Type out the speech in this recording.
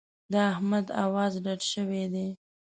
د احمد اواز ډډ شوی دی.